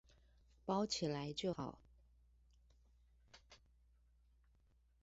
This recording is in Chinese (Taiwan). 包起來就好